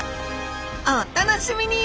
お楽しみに！